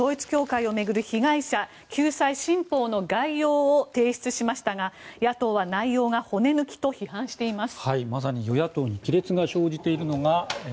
政府は旧統一教会を巡る被害者救済新法の概要を提出しましたが野党は内容が骨抜きと批判しています。